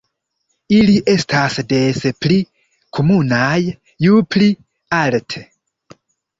Ili estas des pli komunaj ju pli alte.